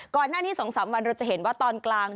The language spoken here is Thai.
ก่อนหน้านี้๒๓วันเราจะเห็นว่าตอนกลาง